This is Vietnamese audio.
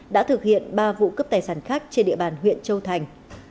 đã thực hiện ba vụ cướp tài sản khác trên địa bàn huyện châu thành